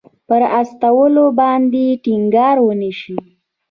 پر استولو باندې ټینګار ونه شي.